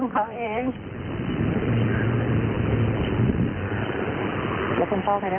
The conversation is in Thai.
ครับผม